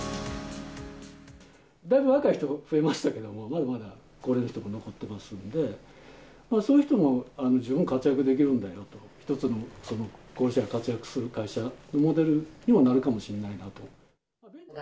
だいぶ若い人が増えましたけれども、まだまだ高齢の人も残っていますので、そういう人も十分活躍できるんだよと、一つの高齢者が活躍する会社のモデルにもなるかもしれないと。